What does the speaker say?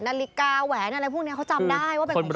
นาฬิกาแหวนอะไรพวกนี้เขาจำได้ว่าเป็นของใคร